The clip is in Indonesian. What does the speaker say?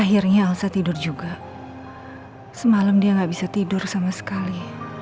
akhirnya elsa tidur juga semalam dia nggak bisa tidur sama sekali